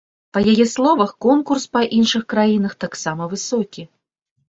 Па яе словах, конкурс па іншых краінах таксама высокі.